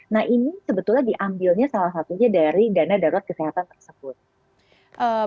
nah ini sebetulnya diambilnya salah satunya dari dana darurat kesehatan tersebut